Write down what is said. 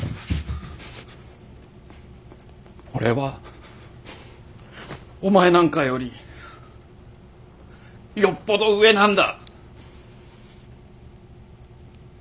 俺はお前なんかよりよっぽど上なんだ。